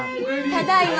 ただいま。